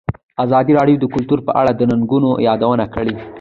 ازادي راډیو د کلتور په اړه د ننګونو یادونه کړې.